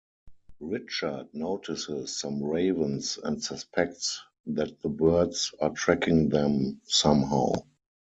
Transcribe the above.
Richard notices some ravens and suspects that the birds are tracking them somehow.